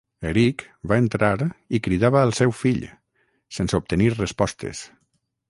Eric va entrar i cridava al seu fill, sense obtenir respostes.